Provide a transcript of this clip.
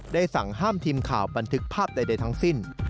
สั่งห้ามทีมข่าวบันทึกภาพใดทั้งสิ้น